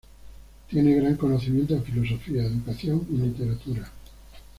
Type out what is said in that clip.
Tiene gran conocimiento en filosofía, educación y literatura.